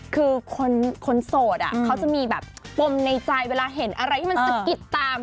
คือคนโสดเขาจะมีแบบปมในใจเวลาเห็นอะไรที่มันสะกิดตาม